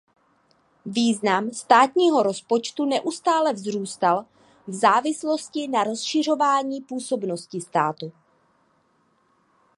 Význam státního rozpočtu neustále vzrůstal v závislosti na rozšiřování působnosti státu.